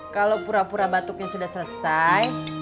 kalau pura pura batuknya sudah selesai